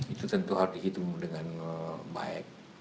itu tentu harus dihitung dengan baik